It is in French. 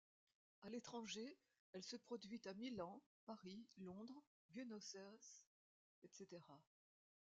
À l'étranger, elle se produit à Milan, Paris, Londres, Buenos Aires, etc.